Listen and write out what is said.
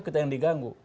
kita yang diganggu